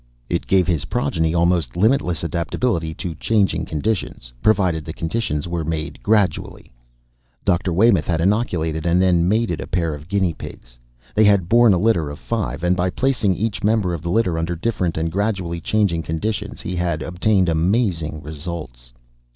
It gave his progeny almost limitless adaptability to changing conditions, provided the changes were made gradually. Dr. Waymoth had inoculated and then mated a pair of guinea pigs; they had borne a litter of five and by placing each member of the litter under different and gradually changing conditions, he had obtained amazing results.